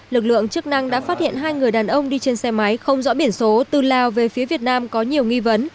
lực lượng chức năng đã phát hiện hai người đàn ông đi trên xe máy không rõ biển số từ lào về phía việt nam có nhiều nghi vấn